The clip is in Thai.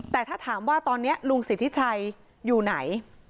แต่ถ้าถามว่าตอนนี้ลุงสิทธิชัยอยู่ไหน